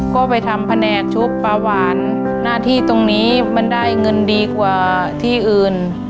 ก็ไปทำแผนกชุบปลาหวานหน้าที่ตรงนี้มันได้เงินดีกว่าที่อื่น